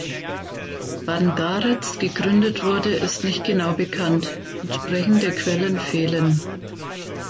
Wann Garitz gegründet wurde, ist nicht genau bekannt; entsprechende Quellen fehlen.